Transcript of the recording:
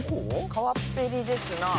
川っぺりですな。